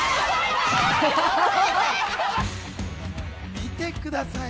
見てください。